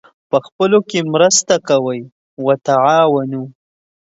پخپلو کې مرسته سره کوئ : وتعاونوا